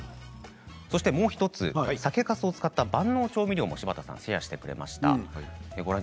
もう１つ、酒かすを使った万能調味料も柴田さんがシェアしてくれました。